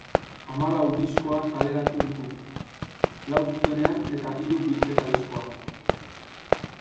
Hamalau diskoa kaleratu ditu, lau zuzenean eta hiru bilketa-diskoa.